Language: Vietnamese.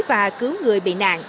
và cứu người bị nạn